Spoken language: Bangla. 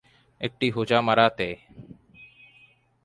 একটি হোজামারাতে।